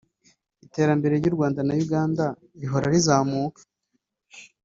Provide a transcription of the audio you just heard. iterambere ry’u Rwanda na Uganda rihora rizamuka